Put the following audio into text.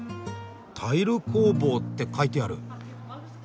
「タイル工房」って書いてある。